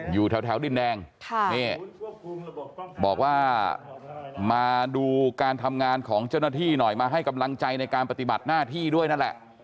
อยู่แถวดินแดงบอกว่ามาดูการทำงานของเจ้าหน้าที่หน่อยมาให้กำลังใจในการปฏิบัติหน้าที่ด้วยนั่นแหละ